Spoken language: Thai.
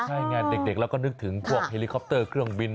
ใช่ไงเด็กเราก็นึกถึงพวกเฮลิคอปเตอร์เครื่องบิน